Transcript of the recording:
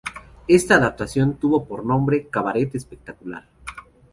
Esta adaptación tuvo por nombre "Cabaret Espectacular".